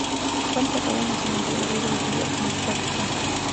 Fue enterrado en el Cementerio River View, en Portland.